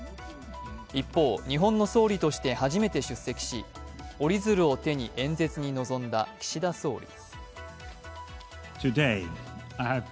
一方、日本の総理として初めて出席し、折り鶴を手に演説に臨んだ岸田総理。